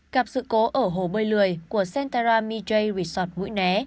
gặp sự cố ở hồ bơi lười của sentara midway resort mũi né